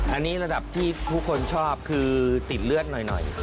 อันนี้ระดับที่ทุกคนชอบคือติดเลือดหน่อย